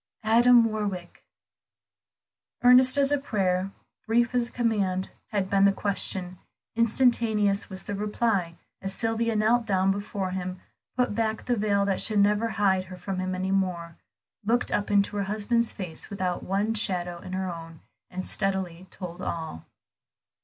"Adam Warwick." Earnest as a prayer, brief as a command had been the question, instantaneous was the reply, as Sylvia knelt down before him, put back the veil that should never hide her from him any more, looked up into her husband's face without one shadow in her own, and steadily told all.